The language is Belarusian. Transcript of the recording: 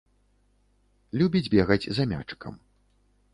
Любіць бегаць за мячыкам.